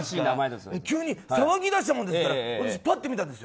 急に騒ぎ出したもんですから私、パッと見たんですよ。